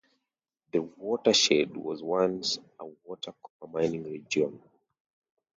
The watershed was once a major copper mining region.